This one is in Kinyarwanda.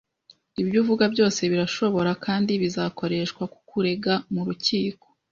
Ibyo uvuga byose birashobora kandi bizakoreshwa kukurega mu rukiko.